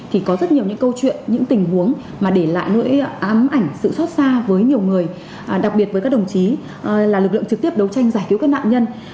thì có rất nhiều những câu chuyện những tình huống mà để lại nỗi ám ảnh sự xót xa với nhiều người đặc biệt với các đồng chí là lực lượng trực tiếp đấu tranh giải cứu các nạn nhân